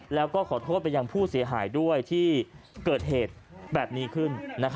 แล้วก็ขอโทษไปยังผู้เสียหายด้วยที่เกิดเหตุแบบนี้ขึ้น